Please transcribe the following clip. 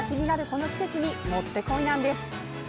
この季節に、もってこいなんです。